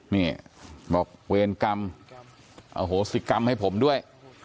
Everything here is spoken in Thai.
นี่บอกเวรกรรมอโหสิกรรมให้ผมด้วย